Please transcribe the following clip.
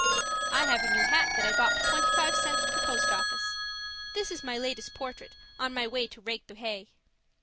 I have a new hat that I bought for twenty five cents at the post office. This is my latest portrait, on my way to rake the hay.